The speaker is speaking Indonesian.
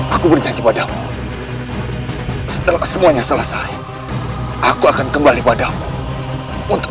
aku berjanji padamu setelah semuanya selesai aku akan kembali padamu untuk